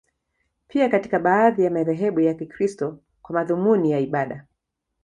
Pia katika baadhi ya madhehebu ya Kikristo, kwa madhumuni ya ibada.